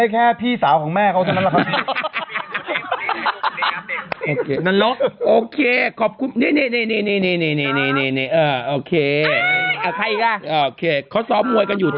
แค่พี่สาวของแม่เค้าเขาเพราะฉะนั้นเรานั่นโลยโอเคขอบคุณเนเนเน